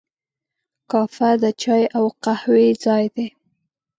کافه د چای او قهوې ځای دی.